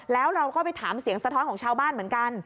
แล้วเราก็ไปถามเสียงสะท้อนของชาวบ้านเหมือนกัน